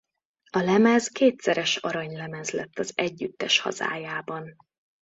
A lemez kétszeres aranylemez lett az együttes hazájában.